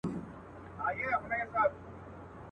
د ښکلي شمعي له انګار سره مي نه لګیږي.